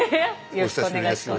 よろしくお願いします。